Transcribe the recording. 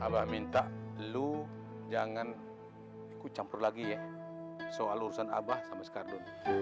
abah minta lu jangan ikut campur lagi ya soal urusan abah sama skardon